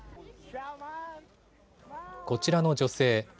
こちらの女性。